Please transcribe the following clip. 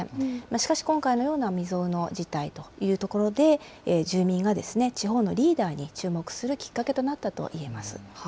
しかし、今回のような未曽有の事態というところで、住民が地方のリーダーに注目するきっかけとなったといえます。